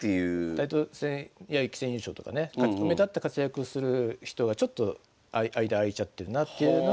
タイトル戦や棋戦優勝とかね目立った活躍をする人がちょっと間空いちゃってるなっていうのが今の現状かな。